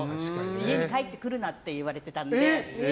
家に帰ってくるなって言われてたので。